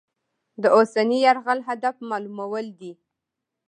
د اوسني یرغل هدف معلومول دي.